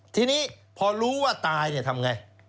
ทีนี้พอรู้ว่าตายเนี่ยทำไง